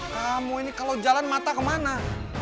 kamu ini kalau jalan mata kemana